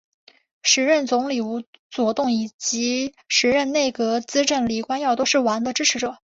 时任总理吴作栋以及时任内阁资政李光耀都是王的支持者。